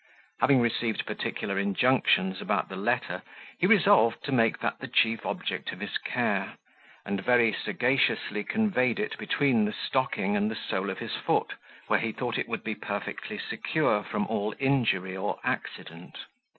Having received particular injunctions about the letter, he resolved to make that the chief object of his care, and very sagaciously conveyed it between the stocking and the sole of his foot, where he thought it would be perfectly secure from all injury or accident.